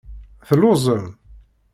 Telluẓem?